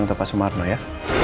untuk pak sumarno ya